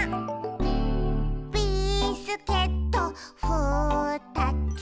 「ビスケットふたつ」